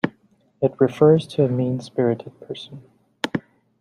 It refers to a mean-spirited person.